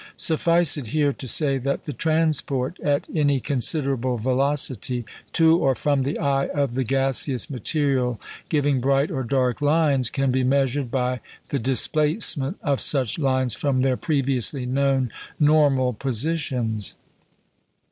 Suffice it here to say that the transport, at any considerable velocity, to or from the eye of the gaseous material giving bright or dark lines, can be measured by the displacement of such lines from their previously known normal positions.